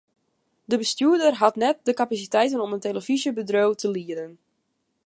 De bestjoerder hat net de kapasiteiten om in telefyzjebedriuw te lieden.